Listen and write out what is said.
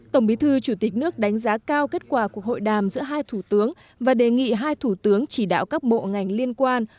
tổng bí thư chủ tịch nước đánh giá cao kết quả cuộc hội đàm giữa hai thủ tướng và đề nghị hai thủ tướng chỉ đạo các bộ ngành liên quan